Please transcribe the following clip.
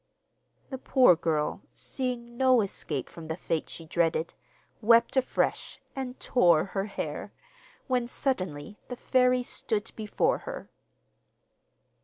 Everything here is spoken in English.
The poor girl, seeing no escape from the fate she dreaded, wept afresh, and tore her hair; when, suddenly, the fairy stood before her.